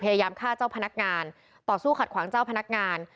พยายามฆ่าเจ้าพนักงานต่อสู้ขัดขวางเจ้าพนักงาน